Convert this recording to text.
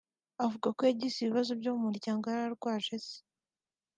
avuga ko yagize ibibazo byo mu muryango yari arwaje se